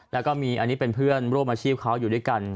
แล้วก็มีอันนี้เป็นเพื่อนร่วมอาชีพเขาอยู่ด้วยกัน